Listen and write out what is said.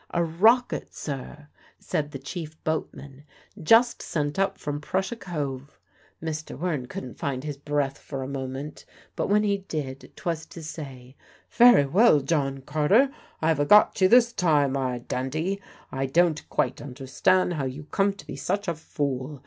"A rocket, sir," said the chief boatman; "just sent up from Prussia Cove." Mr. Wearne couldn't find his breath for a moment; but when he did, 'twas to say, "Very well, John Carter. I've a got you this time, my dandy! I don't quite understand how you come to be such a fool.